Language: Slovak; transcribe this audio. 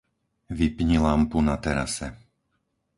Vypni lampu na terase.